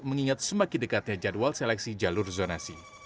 mengingat semakin dekatnya jadwal seleksi jalur zonasi